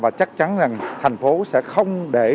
và chắc chắn thành phố sẽ không để